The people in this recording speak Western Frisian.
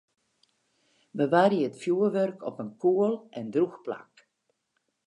Bewarje it fjoerwurk op in koel en drûch plak.